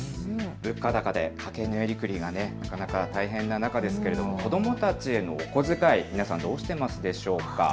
物価高で家計のやりくりがなかなか大変な中ですけど子どもたちへのお小遣い、皆さんどうしていますでしょうか。